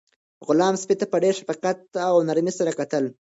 غلام سپي ته په ډېر شفقت او نرمۍ سره کتل.